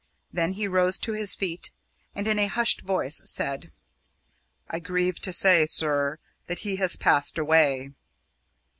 Then he rose to his feet, and in a hushed voice said: "I grieve to say, sir, that he has passed away."